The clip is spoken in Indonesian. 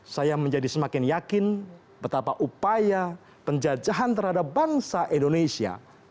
saya menjadi semakin yakin betapa upaya penjajahan terhadap bangsa indonesia